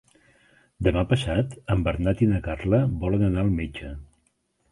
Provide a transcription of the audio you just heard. Demà passat en Bernat i na Carla volen anar al metge.